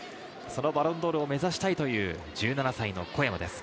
バロンドールを目指したいという１７歳の小山です。